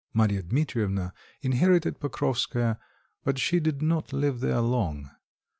Marya Dmitrievna inherited Pokrovskoe, but she did not live there long.